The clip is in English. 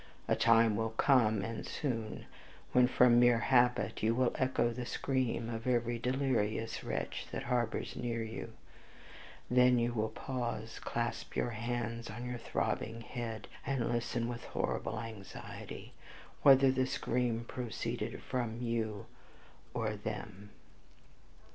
A time will come, and soon, when, from mere habit, you will echo the scream of every delirious wretch that harbors near you; then you will pause, clasp your hands on your throbbing head, and listen with horrible anxiety whether the scream proceeded from YOU or THEM.